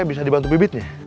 bisa dibantu bibitnya